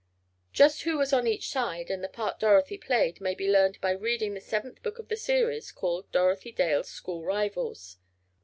Just who was on each side, and the part Dorothy played, may be learned by reading the seventh book of this series, called "Dorothy Dale's School Rivals."